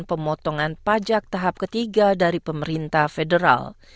pemotongan pajak tahap ketiga dari pemerintah federal